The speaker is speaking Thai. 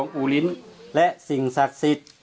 ข้าพเจ้านางสาวสุภัณฑ์หลาโภ